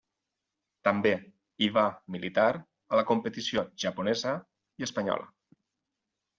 També hi va militar a la competició japonesa i espanyola.